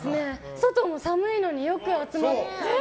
外も寒いのによく集まって。